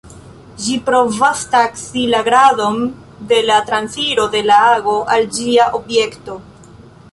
Ĝi provas taksi la gradon de la transiro de la ago al ĝia objekto.